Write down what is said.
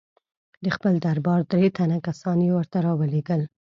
د خپل دربار درې تنه کسان یې ورته را ولېږل.